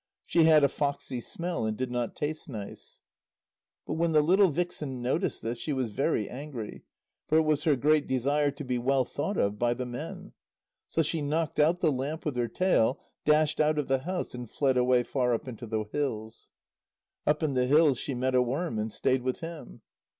She had a foxy smell, and did not taste nice. But when the little vixen noticed this she was very angry, for it was her great desire to be well thought of by the men. So she knocked out the lamp with her tail, dashed out of the house, and fled away far up into the hills. Up in the hills she met a worm, and stayed with him.